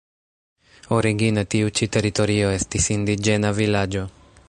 Origine tiu ĉi teritorio estis indiĝena vilaĝo.